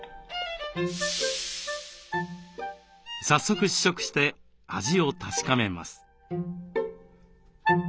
早速試食して味を確かめます。